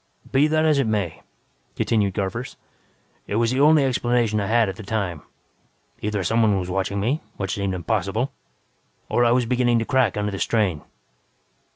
"Be that as it may," continued Garvers, "it was the only explanation I had at the time. Either someone was watching me, which seemed impossible, or I was beginning to crack under the strain.